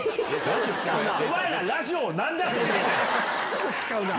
すぐ使うな。